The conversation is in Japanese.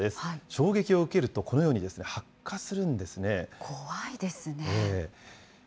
衝撃を受けるとこのように、発火するんですね。